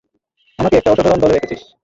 আমাকে একটা অসাধারণ দলে রেখেছিস।